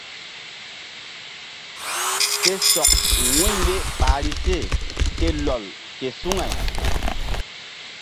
Ke sɔk wu̧y ye ɓahri se ke lɔl ke suŋay.